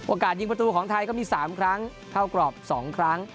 โอกาสยิงประตูของท้ายก็มีสามครั้งเข้ากรอบสองครั้ง